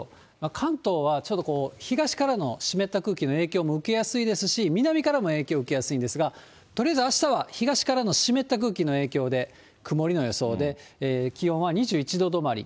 関東はちょっとこう、東からの湿った空気の影響も受けやすいですし、南からも影響を受けやすいんですが、とりあえずあしたは東からの湿った空気の影響で、曇りの予想で、気温は２１度止まり。